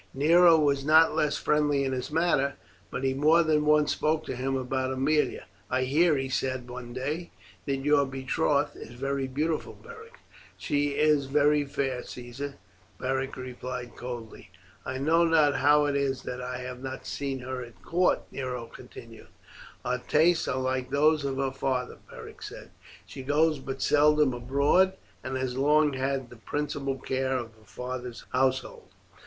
Nero was not less friendly in his manner, but he more than once spoke to him about Aemilia. "I hear," he said one day, "that your betrothed is very beautiful Beric." "She is very fair, Caesar," Beric replied coldly. "I know not how it is that I have not seen her at court," Nero continued. "Her tastes are like those of her father," Beric said. "She goes but seldom abroad, and has long had the principal care of her father's household."